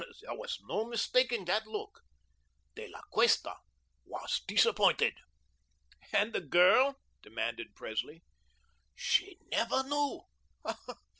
There was no mistaking that look. De La Cuesta was disappointed." "And the girl?" demanded Presley. "She never knew.